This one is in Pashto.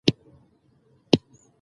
زه پر تا میین یمه جانانه.